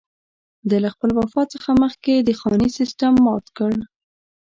ده له خپل وفات څخه لږ مخکې د خاني سېسټم مات کړ.